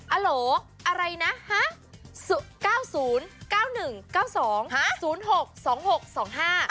อัลโหอะไรนะฮะ๙๐๙๑๙๒๐๖๒๖๒๕